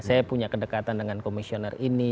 saya punya kedekatan dengan komisioner ini